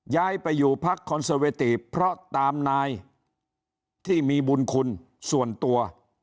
ย้ายไปอยู่พักคอนเซอร์เวติเพราะตามนายที่มีบุญคุณส่วนตัว